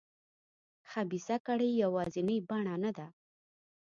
خبیثه کړۍ یوازینۍ بڼه نه ده.